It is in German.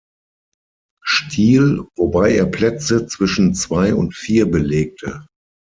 Stil, wobei er Plätze zwischen zwei und vier belegte.